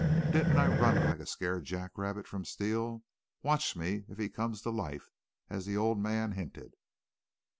Didn't I run like a scared jack rabbit from Steele? Watch me if he comes to life, as the ole man hinted!'